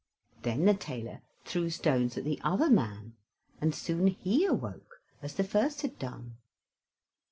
Then the tailor threw stones at the other man, and soon he awoke as the first had done.